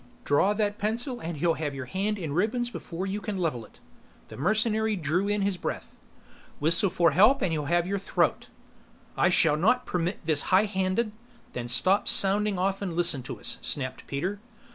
"Draw that pencil and he'll have your hand in ribbons before you can level it." The mercenary drew in his breath. "Whistle for help and he'll have your throat." "I shall not permit this high handed " "Then stop sounding off and listen to us!" snapped Peter.